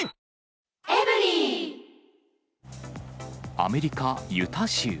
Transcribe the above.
アメリカ・ユタ州。